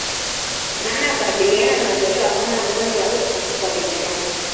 Namna ya kukabiliana na ugonjwa homa ya bonde la ufa kwa binadamu